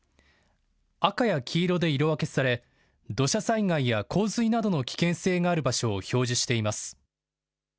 赤や黄色で色分けされ土砂災害や洪水などの危険性がある場所を表示しています。